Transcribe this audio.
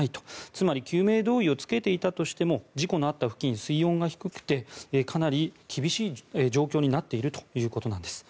つまり救命胴衣を着けていたとしても事故のあった付近、水温が低くてかなり厳しい状況になっているということなんです。